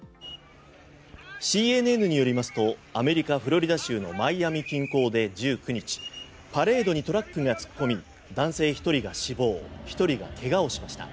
ＣＮＮによりますとアメリカ・フロリダ州のマイアミ近郊で１９日パレードにトラックが突っ込み男性１人が死亡１人が怪我をしました。